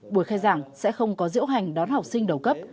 buổi khai giảng sẽ không có diễu hành đón học sinh đầu cấp